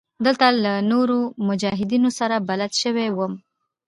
دلته له نورو مجاهدينو سره بلد سوى وم.